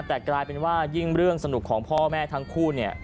แต่กลายเป็นว่ายิ่งเรื่องสนุกของพ่อแม่ทั้งคู่เนี่ย